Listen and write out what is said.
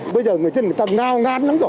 bây giờ người dân người ta ngao ngán lắm rồi